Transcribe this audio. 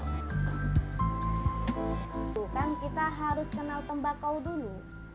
itu kan kita harus kenal tembakau dulu